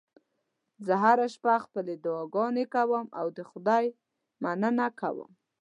زه هره شپه خپلې دعاګانې کوم او د خدای مننه کوم